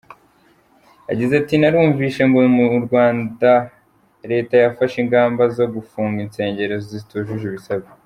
Yagize ati “Narumvise ngo mu Rwanda Leta yafashe ingamba zo gufunga insengero zitujuje ibisabwa.